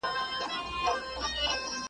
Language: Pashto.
هتکړۍ به دي تل نه وي `